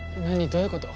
どういうこと？